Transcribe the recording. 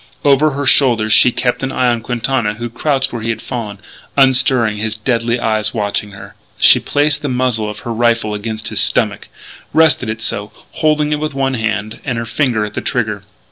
Over her shoulder she kept an eye on Quintana who crouched where he had fallen, unstirring, his deadly eyes watching her. She placed the muzzle of her rifle against his stomach, rested it so, holding it with one hand, and her finger at the trigger.